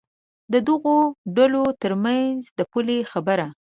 د دغو ډلو تر منځ د پولې خبره.